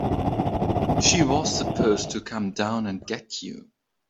She was supposed to come down and get you.